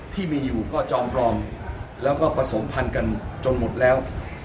ที่มีอยู่ก็จอมปลอมแล้วก็ผสมพันธุ์กันจนหมดแล้ว